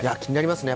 気になりますよね。